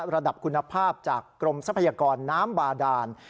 ระดับคุณภาพจากกรมทรัพยากรน้ำบาดาน